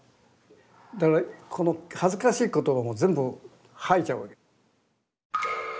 だからこの恥ずかしい言葉も全部吐いちゃうわけ。